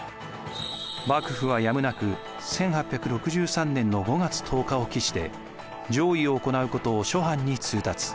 幕府はやむなく１８６３年の５月１０日を期して攘夷を行うことを諸藩に通達。